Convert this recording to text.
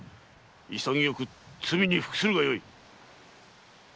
潔く罪に服するがよい！